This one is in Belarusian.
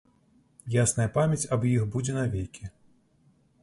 Ясная памяць аб іх будзе навекі!